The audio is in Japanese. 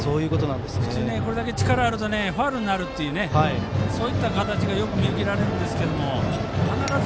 普通、これだけ力があるとファウルになるというそういった形がよく見受けられますが。